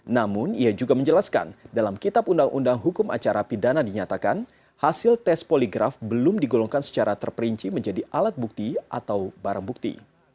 namun ia juga menjelaskan dalam kitab undang undang hukum acara pidana dinyatakan hasil tes poligraf belum digolongkan secara terperinci menjadi alat bukti atau barang bukti